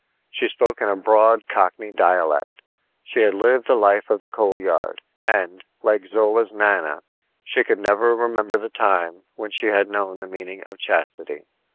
She spoke in a broad Cockney dialect. She had lived the life of the Coal Yard, and, like Zola's Nana, she could never remember the time when she had known the meaning of chastity.